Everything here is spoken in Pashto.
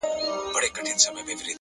د ژوند کیفیت په فکر پورې تړلی!